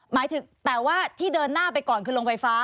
หมายถึงแต่ว่าที่เดินหน้าไปก่อนคือโรงไฟฟ้า